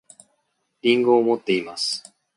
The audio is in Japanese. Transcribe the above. りんごを持っています